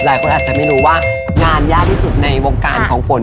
หลายคนอาจจะไม่รู้ว่างานยากที่สุดในวงการของฝน